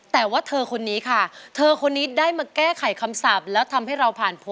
สวัสดีค่ะคุณค่ะสวัสดีค่ะคุณเจ้าเหรียม